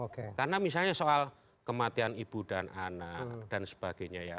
karena misalnya soal kematian ibu dan anak dan sebagainya ya